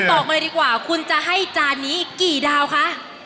บอกเลยดีกว่าคุณจะให้จานนี้กี่ดาวคะ